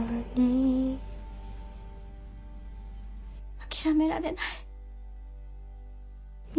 諦められない。